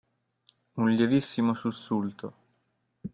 Un lievissimo sussulto.